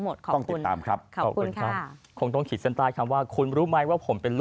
หมดป้องกับตามครับขอบคุณค่ะประชาษะตายกันว่าคุณรู้ไหมว่าผมเป็น